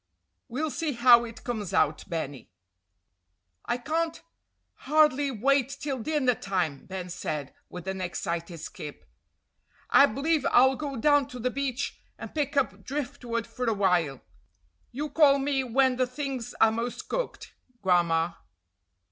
"We'll see how it comes out, Benny." "I can't hardly wait till dinner time," Ben said, with an excited skip. "I b'lieve I'll go down to the beach, and pick up driftwood for a while. You call me when the things are most cooked, Gran'ma."